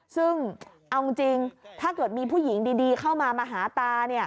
ซึ่งเอาจริงถ้าเกิดมีผู้หญิงดีเข้ามามาหาตา